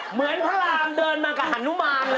เหมือนพระรามเดินมากับฮานุมานเลย